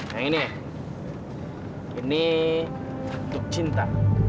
yang ini ya ini untuk cinta